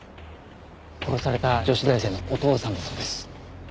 殺された女子大生のお父さんだそうです。